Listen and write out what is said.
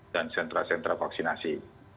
dan sentra sentra vaksinasi